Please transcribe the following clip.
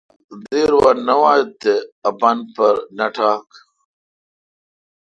بلا دیر وا نہ ویت تے اپان پر نہ نہ ٹاک